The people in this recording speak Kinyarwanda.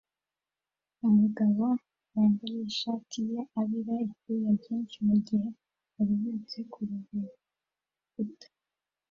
Umugabo wambaye ishati ye abira ibyuya byinshi mugihe aruhutse kurukuta